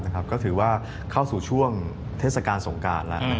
ก็ถือว่าเข้าสู่ช่วงเทศกาลสงการแล้ว